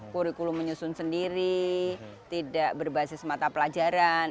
kurikulum menyusun sendiri tidak berbasis mata pelajaran